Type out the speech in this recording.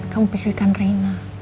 kamu pikirkan reina